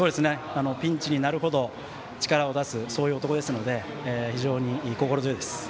ピンチになれば力を出すそういう男ですので、非常に心強いです。